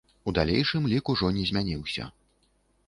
У далейшым лік ужо не змяніўся.